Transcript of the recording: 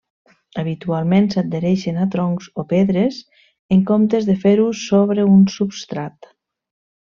Habitualment s'adhereixen a troncs o pedres en comptes de fer-ho sobre un substrat.